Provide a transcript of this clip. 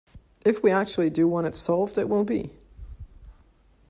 If we actually do want it solved, it will be.